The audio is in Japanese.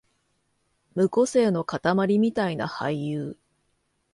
無個性のかたまりみたいな俳優